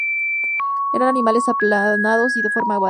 Eran animales aplanados y de forma oval.